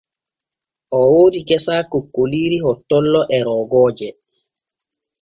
Oo woodi gesa kokkoliiri, hottollo e roogooje.